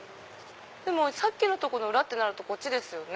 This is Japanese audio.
さっきのとこの裏ってなるとこっちですよね。